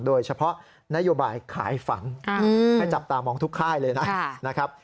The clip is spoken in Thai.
โดยเฉพาะนโยบายขายฝันให้จับตามองทุกค่ายเลยนะครับ